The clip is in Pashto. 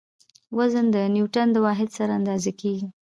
وزن د نیوټڼ د واحد سره اندازه کیږي.